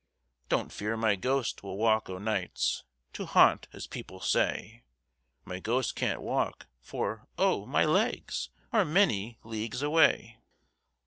"Don't fear my ghost will walk o' nights To haunt, as people say; My ghost can't walk, for, oh! my legs Are many leagues away!